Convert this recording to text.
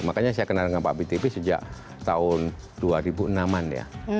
makanya saya kenal dengan pak btp sejak tahun dua ribu enam an ya